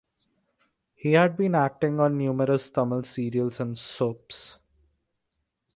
He had been acting on numerous Tamil serials and sops.